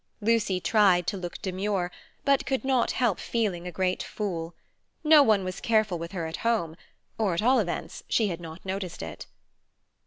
Lucy tried to look demure, but could not help feeling a great fool. No one was careful with her at home; or, at all events, she had not noticed it.